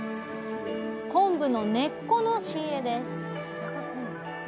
昆布の根っこの仕入れです。